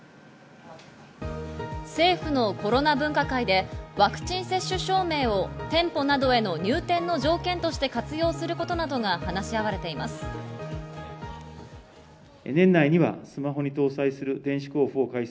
政府のコロナ分科会でワクチン接種証明を店舗などへの入店の条件として活用することなどが話し合われています。